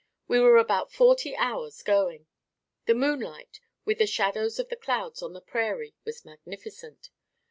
We were about forty hours going. The moonlight, with the shadows of the clouds on the prairie was magnificent.